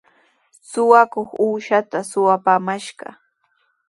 Suqakuq uushaata suqapumashqa.